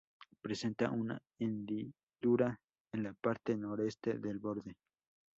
Presenta una hendidura en la parte noreste del borde.